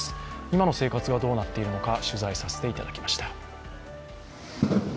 今の生活がどうなっているのか取材させていただきました。